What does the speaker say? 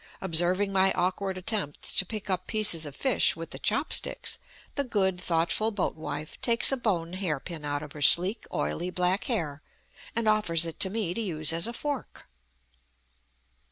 Observing my awkward attempts to pick up pieces of fish with the chop sticks, the good, thoughtful boat wife takes a bone hair pin out of her sleek, oily back hair, and offers it to me to use as a fork!